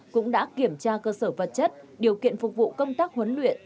cũng đã kiểm tra cơ sở vật chất điều kiện phục vụ công tác huấn luyện